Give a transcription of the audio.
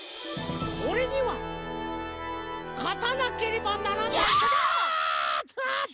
「おれにはかたなければならない」。